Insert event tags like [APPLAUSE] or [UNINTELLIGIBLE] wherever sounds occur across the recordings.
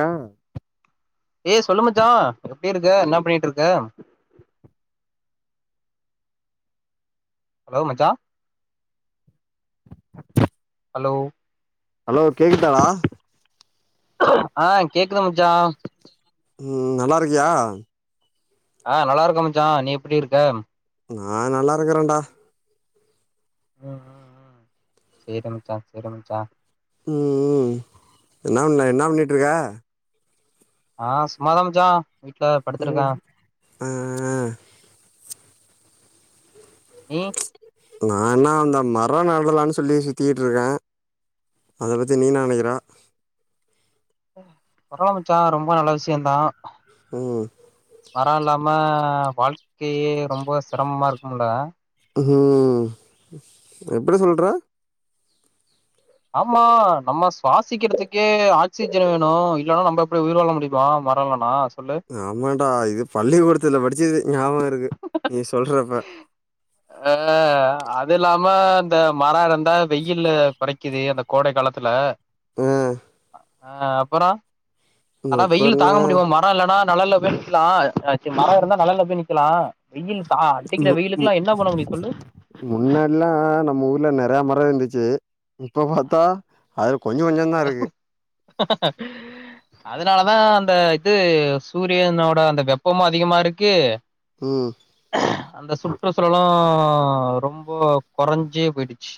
ஆ ஏ சொல்லுமச்சா எப்டி இருக்க என்னா பண்ணிட்டு இருக்க ஹலோ மச்சா ஹலோ ஹலோ கேக்குதாட ஆ கேக்குது மச்சா உம் நல்லா இருக்கியா ஆ நல்லா இருக்கோ மச்சா நீ எப்டி இருக்க நா நல்லா இருக்கறேன்டா உம் உம் உம் சேரி மச்சா சேரி மச்சா உம் உம் என்னா பண்ண என்னா பண்ணிட்டு இருக்கா ஆ சும்மாதா மச்சா வீட்ல படுத்திருக்கே ம் ஆ ம் நா என்ன அந்த மரோ நடலானு சொல்லி சுத்திட்டு இருக்கே அத பத்தி நீ என்னா நெனக்குற பரவால மச்சா ரொம்ப நல்ல விஷயந்தா ம் பரவால்லாம வாழ்க்கையே ரொம்ப சிரமமா இருக்கும்லா ம் எப்டி சொல்ற ஆமா நம்ம சுவாசிக்கிறதுக்கே ஆக்சிஜன் வேணு இல்லைன்னா நம்ம எப்டி உயிர் வாழ முடியுமா மரோ இல்லனா சொல்லு ஆமாடா இது பள்ளிகூடத்துல படிச்சது ஞாபக இருக்கு நீ சொல்றப்ப ப்ப அந்த மர இருந்தா வெயில்ல கொறை இது அந்த கோடை காலத்ல உம் அ அப்பறோ அதா அப்ப வெயில் என்ன தாங்க முடியுமா மரோ இல்லன்னா நெலல்ல போயிக்கலா ஆ சரி மரோ இருந்தா நெழல்ல போய் நிக் இருக்கலா மு மு சொல்லு முன்னயெல்லா நம்ம ஊர்ல நெறைய மரம் இருந்து ச்சு இப்ப பாத்தா அ கொஞ்சம் கொஞ்சம் தா இருக்கு அதனால தா அந்த இது சூரியனோட அந்த வெப்பமும் அதிகமா இருக்கு ம் அந்த சுற்றுச்சூழலும் ரொம்ப குறைஞ்சே போயிடுச்சு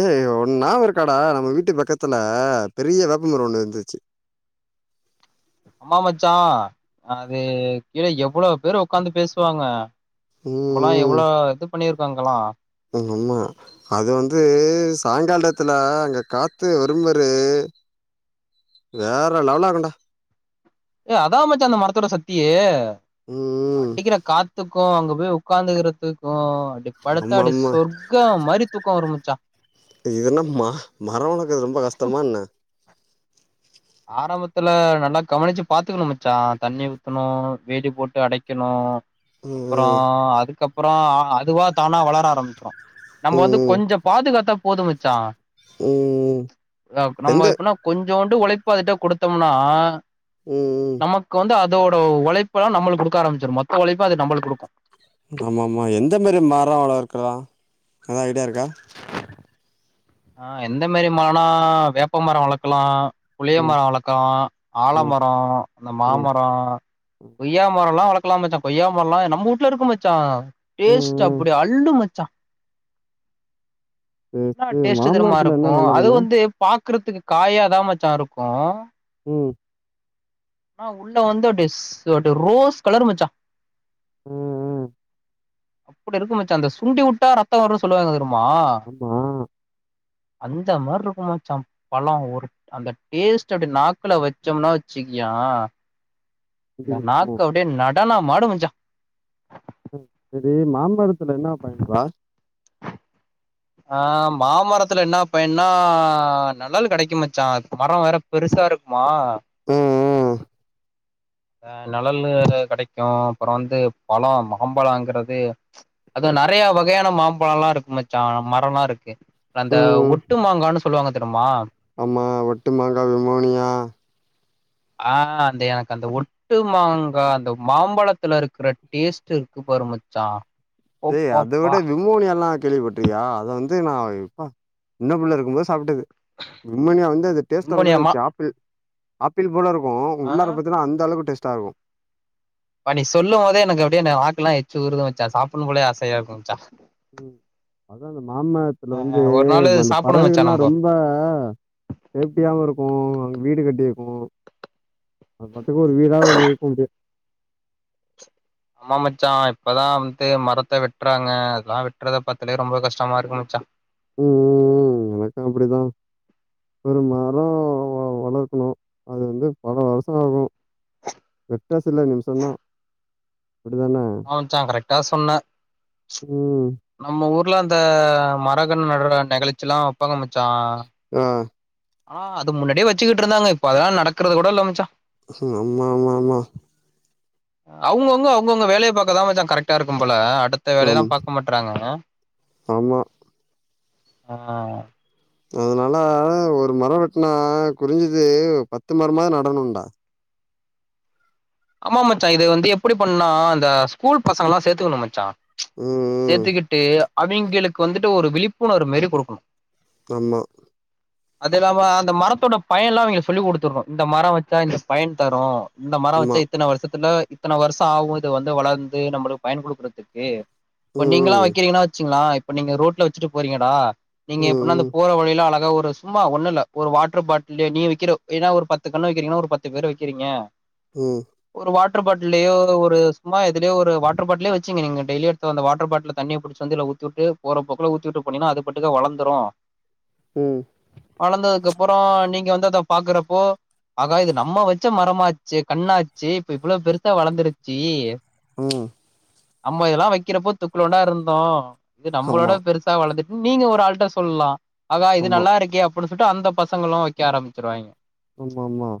ஏய் ஒ நாவ இருக்காடா நம்ம வீட்டு பக்கத்துல பெரிய வேப்பமரம் ஒண்ணு இருந்துச்சு ஆம்மா மச்சா அது கீழே எவ்ளோ பேரும் உக்காந்து பேசுவாங்க அப்போலாம் ம் எவ்ளோ இது பண்ணி இருக்கங்களா மா அது வந்து சாயங்காலத்துல அங்க காத்து வரும்பாரு வேற லெவல இருக்குடா ஏ அதான் மாச்சா அந்த மரத்தோட சக்தியே ம் அடிக்கிற காத்துக்கும் அங்க உக்காந்துக்கிறதுக்கும் அப்டி பாடுத்தா அப்டி ஆமாமா. சொர்க்கா மாரி தூக்கம் வரனும் ச என்னம்மா மரம் வளர்க்குறது ரொம்ப கஷ்டமா என்ன ஆரம்பத்துல நல்லா கவனிச்சு பாத்துக்கணும் மச்சா தண்ணி ஊத்தணும் வேலி போட்டு அடைக்கணும் அப்றோ ம், அதுக்கப் அப்புறம் அதுவா தானா வளர ஆரம்பிச்சிரும் நம்ம வந்து ம், கொஞ்சம் பாதுகாத்த போது மச்சா ம். நம்ம எந்த எப்பனா கொஞ் கொஞ்சோண்டு உழைப் இப்பதுட்ட குடுத்தோம்னா ம், ம். நமக்கு வந்து அ அதோட உழைப்பெல்லாம் நம்ம குடுக்க ஆரம்பிச்சிரும் மொத்த உழைப்ப அது நம்மளுக்கு குடுக்கும் ஆமா ஆமா எந்த மாரி மரம் வளர்க்கலா அதான் ஐடியா இருக்கா ஆ எந்த மாரி மரம்னா வேப்ப மரம் வளர்க்கலாம் புளிய ம், மரம் வளர்க்கலாம் ம், ஆழமரம் இந்த ம், மாமரம் ம், கொய்யா மரம் எல்லா வளர்க்கலாம் இருக்கலா மச்சா கொய்யா மரலாம் நம்ம வீட்ல இருக்கு மச்சா ம், டேஸ்ட் ம். அப்டி அள்ளு மச்சா ம் ம் ஷ்டத்தரமா இருக்கு அது வந்து ப பாக்கறதுக்கு காயாதா மச்சா இருக்கு ம் ஆ உள்ள வந்துஸ் ஒரு ரோஸ் கலரு மச்சா ம் ம் அப்பிடி இருக்கு மச்சான் அந்த சுண்டி விட்டா ரத்தம் வருனு சொல்லுவாங்க தர ம் அந்த மாரி இருக்குமாச்சா பழம் ஒரு அந்த டேஸ்ட் அப்பிடி நாக்கல வச்சோம்னா வச்சிக்கியா அப்டி இருக்குமோ நாக்கு அப்பிடே நக் நடனம்மாடும் மச்சா ம் சேரி மாம்பழத்துல என்ன பயன் ரா ஆ மாமரத்துல என்ன பையன்னா நழல் கெடைக்குமாச்சா மரம் வேற பெருசா இருக்குமா ம் ம் அ நிழல்லு கெடைக்கு அப்புறோ வந்து பழம் மாம்பழம்ங்கிறது அதுவு நெறைய வகையான மாம்பழம்ல்லா இருக்கு மச்சா மரம்மா இருக்கு அந்த ம் ஒட்டு மாங்கான்னு சொல்லுவாங்க தெரியுமா ஆமா ஒட்டு மாங்கா விமோனியா ஆ அந்த எனக்கு அந்த ஒ ட்டு மாங்கா அந்த மாம்பழத்துல இருக்கிற டேஸ்ட் இருக்கு பாரு மச்சா து அத அப்பப்பா விட விமோனி எல்லா கேள்விப்பட்டறியா அத வந்து து நா இப்ப சின்ன பிள்ள இருக்கும் போது சாப்பிட்டது விமோனியா வந்து அந்த உண்மொலியாமா டேஸ்டோடந்துச்சு ஆப்பிள் ஆப்பிள் போலருக்கு ஆ உள்ளார பாத்தன்னா அந்த அளவுக்கு டேஸ் தார்கு வா நீ சொல்லு மோதே எனக்கு அப்பிடியே எனக்கு வாக்குல்லா எச்சு ஊருது மச்சா சாப்புனு போலே ஆசையா இருக்கு மச்சா ம் அதாது மாமத்துல வந்து ஒரு நாளு அந்த சாப்புட்ணு மச்சா பறவைகல்லா நம்போ ரொம்ப சேப்டியாவு இருக்கு ங்க வீடு கட்டிருக்கு அது மட்டுக்கு ஒரு வீடாவது இருக்குது ஆமா மச்சா இப்பதா வந்து மரத்த வெட்றாங்க அதல்லா வெட்றத பாத்தலே ரொம்ப கஷ்டமா இருக்கு மச்சா ம் ம் எனக்க அப்பிடிதா ஒரு மரோ வளர்க்கணு அது வந்து பல வருஷோ ஆகு வெட்ட சில நிமிஷதா ஆ மச்சா கரெக்டா சொன்ன ம். நம்ம ஊர் க்குலா அந்த மரகண் நடற நெகழ்ச்சிலா வப்பாங்க மச்சா ஆ ஆ அது முன்னாடியே வச்சுக்கிட்டு இருந்தாங்க இப்ப அதல்லா நடக்கறதுகூட இல்ல மச்சா ஆமா ஆமா ஆமா அவுங்கவுங்க அவுங்கவுங்க வேலய பக்கதா மச்சா கரெக்டா இருக்கு போல அ அடுத்த வேலையெல்லா ஆம், பாக்க மாட்றாங்க ஆமா. ஆ அதுனால ஒரு மரோ வெட்னா குரிஞ்சது பத்து மரமாது நடனுன்டா ஆமா மச்சா இது வந்து எப்டி பண்ணா அந்த ஸ்கூல் பசங்கலா சேத்துக்கணு மச்சா ச் ம், ம். சேத்துக்கிட்டு அ அவிங்களுக்கு வந்துட்டு ஒரு விழிப்புணர்வு மாரி குடுக்குனு ஆமா அது இல்லாம அந்த மரத்தோட பயன்லா அவங்களு சொல்லி்க்குடுத்துருனு இந்த மர வச்சா இந்த பயன் தரு இந்த மர ஆமா. வச்சேத் ஷத்துல இத்தன வருஷ ஆவு இத வந்து வளந்து நம்பளுக்கு பயன் குடுக்குறதுக்கு இப்ப நீங்களல்லா ம், வைக்கிறீங்கன்னா வச்சுங்களே இப்ப நீங்க ரோட்ல வச்சுட்டு போறீங்கடா நீங்க எப்பனா அந்த ம், போற வழில அழக் ஒரு சும்மா ஒன்னு இல்ல ஒரு வாட்டர் பாட்ல்லே நீ வைக்கிற ஏனா ஒரு பத்து கண்ணு வைக்கிறீங்கனா ஒரு பத்து பேர் வக்கிறீங்க உ ஒரு வாட்டர் பாட்லேயோ ஒரு சும்மாத் திலயோ ஒரு வாட்டர் பாட்ல்லே வச்சீங்க நீங்க டேய்லி ஒருத்தவ அந்த வாட்டர் பாட்ல்ல தண்ணிய புடிச்ச வந்து இதுல ஊத்திவுட்டு போற போக்குல ஊத்திட்டு போனினா அது பாட்டுக்கு வளந்துரு ம், ம். வளந்ததுகப் அப்புற நீங்க வந்து அத பாக்குறப்போ ஆகா இது நம்ம வச்ச மரமாச்சே கண்ணா சே இப்ப இவ்ளோ பெருசா வளர்ந்துருச்சு உ அம்ம இதல்லா வக்கிறப்போ துக்குலுண்டா இருந்தோ இது நம்ளோட ஆமா, பெருசா வளந்து நீங்க ஒரு ஆள்ட சொல்லா ஆஹா இது ஆமா, நல்லாருக்கே அப்புன்னுசொல்ட்டு அந்த ப பசங்களு வக்க ஆரம்பிச்சுருவாங்க ஆமா மா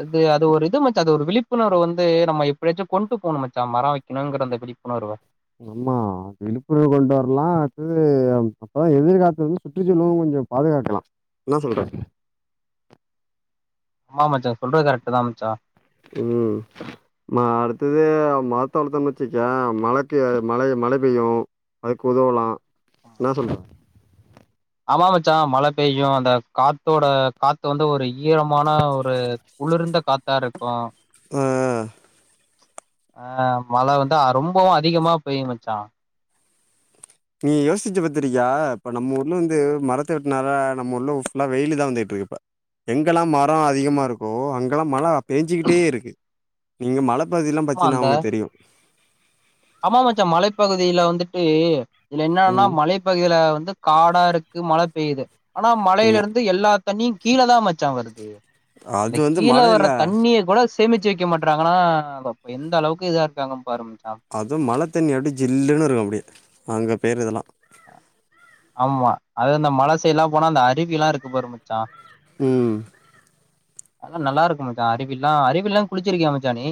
அது அது ஒரு இது மச் ச்சா அது ஒரு விழிப்புணர்வு வந்து நம்ம எப்படியாச்சு கொண்டு போணு மச்சா மரோ வைக்கணுங்கிற அந்த விழிப்புணர்வு அம்மா விழிப்புணர் கொண்டு வரலா அட்தது அப்ப எதிர்காத்து வந்து சுற்றிச்சுலலு கொஞ்சோ பாதுகாக்கலா என்ன சொல்ற ஆமா மச்சா சொல்றது கரெக்ட் தா மச்சா உ மாடு த்தது மரத்த வளத்தோ வச்சுக்கே மழைக்கு மழ மழ பெய்யு அதுக்கு உதவலா என்னா சொல்ற ஆமா மச்சா மழ பெய்யு அந்த காத்தோட காத்து வந்து ஒரு ஈரமான ஒரு குளிர்ந்த காத்தாருக்கு ஆ அ மழ வந்தா ரொம்பவு அதிகமா பெய்யு மச்சா நீ யோசுச்சு பத்துருக்கியா இப்ப நம்ம ஊர்ல வந்து மரத்த வெட்னால நம்ம ஊர்ல ஃபுல்லா வெயிலுதா வந்துகிட்டு இருக்கு இப்ப எங்கெல்லா மரோ அதிகமாருக்கோ அங்கெல்லா மழ பேஞ்சுக்கிட்டே இருக்கு நீங்க மழப் திருபதில்லா ஆமா பாத்தீன்னா அந்த உனக்கு தெரியு ஆமா மச்சா மலைப்பகுதியில வந்துட்டு இதுல என்னன்னா ம் மலைப்பகுதியில வந்து காடாருக்கு மழ பெய்யுது ஆனா மழையில ஆமா இருந்து எல்லா தண்ணி கீழதா மச்சா வருது அந்த அது வந்து கீழ மழ இல்ல வரத் தண்ணிய கூடஸ் சேமிச்சு வைக்க மாட்றாங்கன்னா எந்த அளவுக்கு இதா இருக்காங்கன்னு பாரு மச்சா அதும் மழ தண்ணி அப்டி ஜில்லுன்னு இருக்கு அப்டி அங்க பேயிரதெல்லா ஆம்மா அது இந்த மழ செய்டுல்லா போனா அந்த அருவி எல்லா இருக்கும் பாரு மச்சா ம் அதெல்லா நல்லாருக்கு மச்சா அருவில்லா அருவில்லா குளுச்சுருக்கியா மச்சா நீ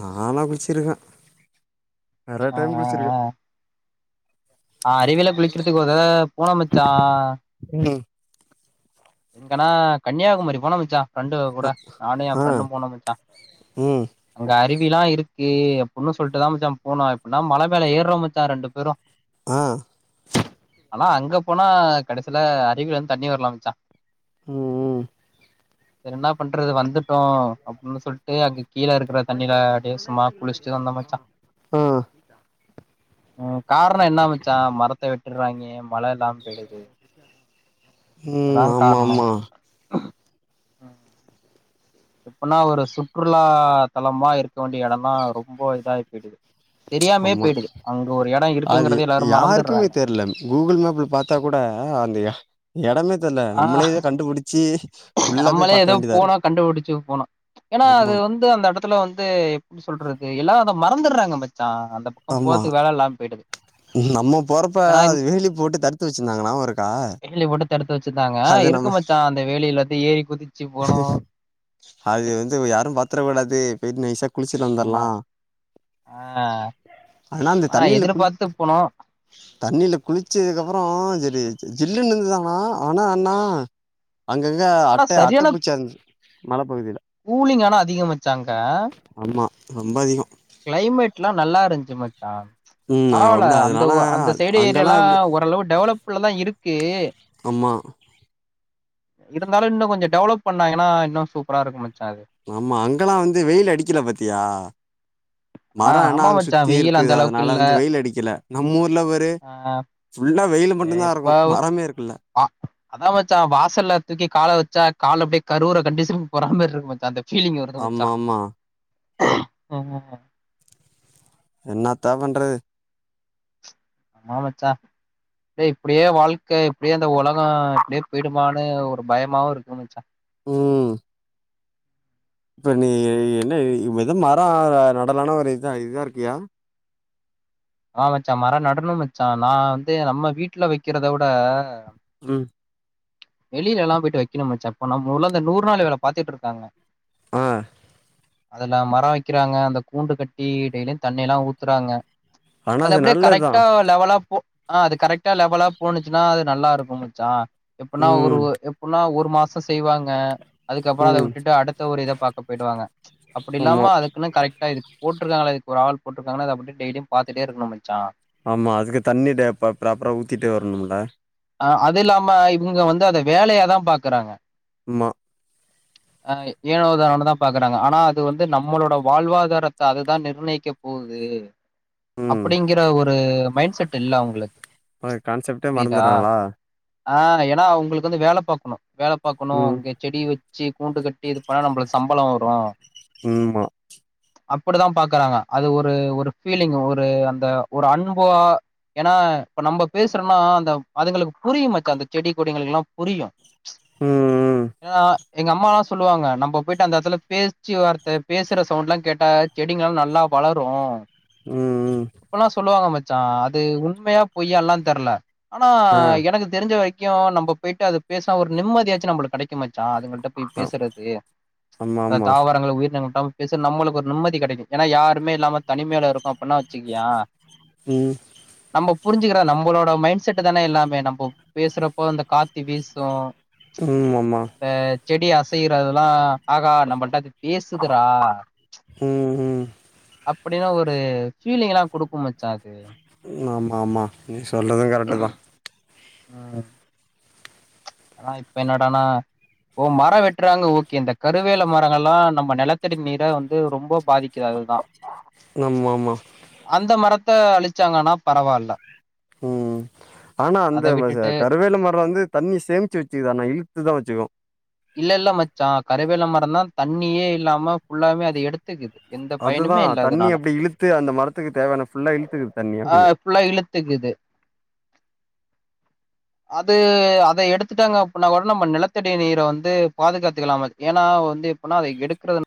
நாலா குளுச்சுருக்க நறையா ஆ டைம் ஆ குளுச்சுருக்க ஆ ஆ அறிவில குளிக்கிறதுக்கு ஒருதடவ போன மச்சா ம் எங்கன்னா கன்னியாகுமரி போன மச்சா ஃப்ரெண்டுக கூட ஆ நானு எம் ஆ ஃப்ரெண்டும் போனோ மச்சா ம் அங்க அருவி ப்டில்லா இருக்கு அப்புன்னு சொல்ட்டுதாம் மச்சா போனோ எப்புன்னா மல மேல ஏறோ மச்சா ரெண்டு பேரு ஆ ஆனா அங்க போனா கடசில அருவில இருந்து தண்ணி வர்ல மச்சா ம் ம் என்ன பண்றது வந்து டோ அப்டின் சொல்ட்டு அங்கு கீழ இருக்குற தண்ணில அப்டியே சும்மா குளுச்சுட்டு வந்தோ மச்சா ஆ ம் காரணோ என்ன மச்சா மரத்த வெட் ட்டுறாங்கேம் மழ இல்லாம் போய்டுது அதா ம் ஆமா காரணோ ஆமா ஆ எப்பனா ஒரு சுற்றுலா தலமா இருக்க வேண்டிய எடம்லா ரொம்ப இதாயி போயிடுது தெரியாமயே ஆமா போயிடுது அங்க ஒரு எடோ அது இருக்குங்கிறதே எல்லாரு மறந்துர்றாங்க யாருக்குமே தெர்ல கூகுள் மேப்ல பாத்தா கூட அந்த எடமே தெர்ல ஆ நம்மளே எதோ கண்டுபுடுச்சி உள்ளது நம்மளே பாக்க ஏதோ வேண்டிதா போனோ இருக்கு கண்டுபிடிச்சு போனோ ஏன்னா அது ஆமா வந்து அந்த எடத்துல வந்து எப்டி சொல்றது எல்லா அத மறந்துற்றாங்க மச் சா அந்த பக்கோ ஆமா போறதுக்கு வேல இல்லாம போயிடுது நம்ம போறப்ப ஏன்னா அது இந்த வேலி போட்டு தடுத்து வெச்சிருந்தாங்க நியாபோருக்கா எடுத்து வெச்சுட்டாங்க இருக்கு மச்சா அந்த வேலில ஏ அய் குதிச்சு போனோ அது வந்து யாரோ பாத்துர கூடாது போயிட்டு நைசா குளிச்சுட்டு ஆமா வந்துர்லா ஆ ஆனா அந்த தண்ணில குளிக் எதிர்பார்த்து போனோ தண்ணில குளிச்சதுக்கப்புறோ [UNINTELLIGIBLE] து ஜில்லு இருந்துது ஆனா ஆனா என்னா அங்கங்க அட்ட அ [UNINTELLIGIBLE] கூலிங் ஆனா அதிகோ மச்சா அங்க ஆமா ரொம்ப அதிகோ கிளைமேட்லா நல்லா இருன்ச்சு மச் சாம் ம் பரவாயில்ல அப்டி அந்த அதனால அந்த சைடு அங்கெல்லா ஏரியாலா இப்டி ஓரளவு டெவலப் குல்லாதாயிருக்கு ஆமா இருந்தாலோ இன்னோ கொஞ்சோ டெவலப் பண்ணாங்கன்னா இன்னோ சூப்பராயிருக்கோ மச் ஆமா அங்கெல்லா வந்து வெயில் அடிக்கல பாத்தியா ஆ மரோ ஆனா ஆமா அங்க மச்சான் வெயில் சுத்தியிருக்கு அந்த அளவுக்கு அதனால இல்ல. வந்து வெயில் அடிக்கல நம்ம ஊர்ல பாரு [UNINTELLIGIBLE] ஏ மட்டுந்தா இப்ப இருக்கு மரமே இருக்குல்ல ஆ அதா மச்சா வாசல்ல தூக்கி கால வெச்சா கால அப்டியே கருவுர கண்டிஷன்கு போறா மாரிருக்கு மச்சா அந்த ஃபீலிங் வருது மச்சா ஆமா ஆமா [UNINTELLIGIBLE] என்னத்த பண்றது ஆமா மச்சா இப்டியே வாழ்க்க இப்டியே இந்த உலகோ இப்டியே போயிடுமான்னு ஒரு பயமாவோயிருக்கு மச்சா உ இப்ப நீ என்ன இது மரோ நடலனா ஒரு இது இதா இருக்கியா ஆமா மச்சா மரோ நடணு மச்சா நா வந்து நம்ம வீட்டுல வக்கிறத விட உ வெளில எல்லா போயிட்டு வக்கணும்ச்சா அப்போ நம்மலா அ இந்த நூறு நாள் வேல பாத்துட்டு இருக்காங்க ஆ அது நா மரோ வைக்கிறாங்க அந்த கூண்டு கட்டி டெயிலியு தண்ணி எல்லா ஊத்துறாங்க ஆனா அது அப்பிடியே நல்லதுதா கரெக்ட்டா லெவலா போ ஆ அது கரெக்டா லெவலா போச்சுன்னா அது நல்லா இருக்கு மச்சா எப்பனா ம் ஒருவ எப்பனா ஒரு ஒரு மாசோ செய்வாங்க அதுக்க அப்புறோ அத ம் விட்டுட்டு அடுத்த ஒரு இத பாக்க போயிடுவாங்க ஆமா அப்பிடில்லாமா அதுக்குன்னு கரெக்டா இருக்கு போட்டுருக்கங்களா இதுக்கு ஒரு ஆள் போட்டுருக்கங்களா அத டெய்லியு பாத் த்டே இருக்கணு மச்சா ஆமா அதுக்கு தண்ணி டே ப்ராப்பரா ஊத்திட்டே வரணும்மல அ அது இல்லாம இவுங்க வந்து அத வேலையாதா பாக்குறாங்க ம்மா ஆ ஏனோ தானோனு பாக்குறாங்க ஆனா அது வந்து நம்மளோட வாழ்வாதாரத்த அதுதா நிர்ணயிக்க போது ம் அப்பிடிங்கிற ஒரு மைண்ட் செட் இல்ல அவுங்களுக் அ கான்செப்டே மறந்துறாங்களா ஆ ஏன்னா உங்களுக்கு வந்து வேல பாக்கணு வேல பாக்கணு ம் அங்க செடி வ இச்சி கூண்டு கட்டி இது பண்ணா நம்மளுக்கு சம்பளோ வரு ம்மா அப்பிடித்தா பாக்குறாங்க அது ஒரு ஒரு ஃபீலிங்க் ஒரு அந்த ஒரு அன்பவா ஏன்னா இப்ப நம்ம பேசுறோனா அந்த அதுங்களுக்கு புரியு மாச்சா அந்த செடி கொடிங்களுக்குல்லா புரியு ம் ஏ ஆ எங்க அம்மாலா சொல்லுவாங்க நம்ம போயிட்டு அந்த இடத்துல பேச்சு வார்த்த பேசுற சவுண்ட் எல்லா கேட்டா செடிங்க எல்லா நல்லா வளரு ம் அப்பல்லா சொல்லுவாங்க மச் ஆ அது உண்மையா பொய் எல்லா தெர்ல ஆனா ஆ எனக்கு தெரிஞ்ச வரைக் க்கு நம்ம போயிட்டு அது பேச ஒரு நிம்மதியாசு நம்மளுக்கு கெடைக்கு மாச்சா அதுளுக்கு ட்ட போய் பேசுறது ஆமா ஆமா தாவரங்கள உயிரினங்கள் நாம பேச நம்மளுக்கு நிம்மதி கெடைக்கு ஏனா யாருமே இல்லாம தனிமையில இருக்கு அப்பின்னா வச்சுக்கியா ம் நம்ம புரிஞ்சுக்குற நம்மளோட மைண்ட் செட்டு தானே எல்லாமே நம்ப பேசுறப்போ அ இந்த காத்து வீசு ம் ஆமா இந்த செடி அசைதறதெல்லா ஆகா நம்மட்டா அது பேசுதுடா உம் உம் அப்டி தா ஒரு ஃபீலிங் எல்லா குடுக்கு மச்சா அது ஆமா ஆமா சொல்றது கரெட்க்டு தா உம் ஆன இப்ப என்னடானா இப்ப மரோ வெட்றாங்க ஓகே இந்த கருவேல மரங்கள் எல்லா நம்ம நெலத்தடி நீர வந்து ரொம்ப பாதிக்குது அதுதா ஆமா ஆமா அழுச்சாங்கன்னா பரவால்ல உம் ஆனா அத அந்த விட்டுட்டு கருவேல மரோ வந்து தண்ணி சேமிச்சு வச்சுக்காது இழுத்துதா வச்சுக்கு இல்ல இல்ல மச்சா கருவேல மரந்தா தண்ணியே இல்லாம ஃபுல்லாவே அது எடுத்துக்குது எந்த அதுதா பயனுமே இல்ல தண்ணிய அதனால அப்டி இழுத்து அந்த மரத்துக்கு தேவயான ஃபுல்லா இழுத்துக்குது தண்ணி ஆ அப்டியே ஃபுல்லா இழுத்துக்குது அது அத எடுத்துட்டாங்க அப்டின்னா கூட நம்ம நெலத்தடி நீர வந்து பாதுகாத்துக்கலா ஏன்னா வந்து எப்டின்னா அத எடுக்குறது